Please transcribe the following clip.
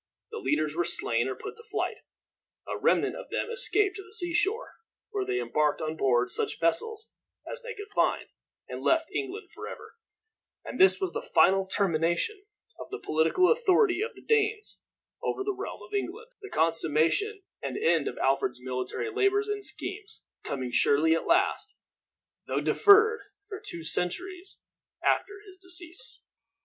The leaders were slain or put to flight. A remnant of them escaped to the sea shore, where they embarked on board such vessels as they could find, and left England forever; and this was the final termination of the political authority of the Danes over the realm of England the consummation and end of Alfred's military labors and schemes, coming surely at last, though deferred for two centuries after his decease.